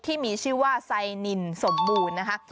ที่มีชื่อว่าไซนินสมบูรณ์นะคะ